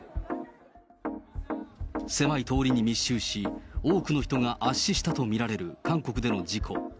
狭い通りに密集し、多くの人が圧死したと見られる韓国での事故。